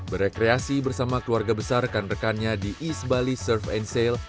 berekreasi bersama keluarga besar rekan rekannya di east bali surf and sale